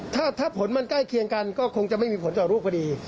ถ้าผลมันใกล้เคียงกันก็คงจะไม่มีผลต่อรูปพอดี